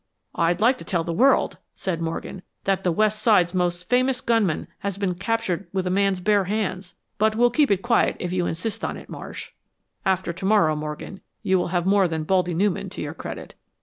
"I'd like to tell the world," said Morgan, "that the West Side's most famous gunman has been captured with a man's bare hands. But we'll keep it quiet if you insist on it, Marsh." "After tomorrow, Morgan, you will have more than 'Baldy' Newman to your credit.